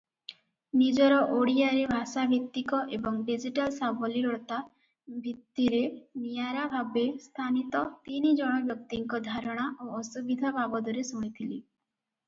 ନିଜର ଓଡ଼ିଆରେ ଭାଷାଭିତ୍ତିକ ଏବଂ ଡିଜିଟାଲ ସାବଲୀଳତା ଭିତ୍ତିରେ ନିଆରା ଭାବେ ସ୍ଥାନୀତ ତିନି ଜଣ ବ୍ୟକ୍ତିଙ୍କ ଧାରଣା ଓ ଅସୁବିଧା ବାବଦରେ ଶୁଣିଥିଲି ।